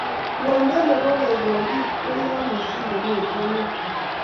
Loindo nebo kekolik ko yoo mising kongete ngweny